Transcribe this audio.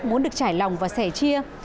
muốn được trải lòng và sẻ chia